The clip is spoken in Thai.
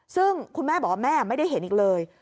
ซึ่งคุณแม่บอกว่าแม่ไม่ได้เห็นอีกเลย